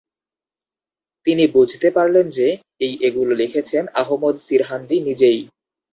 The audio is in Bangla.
তিনি বুঝতে পারলেন যে এই এগুলো লিখেছেন আহমদ সিরহান্দি নিজেই।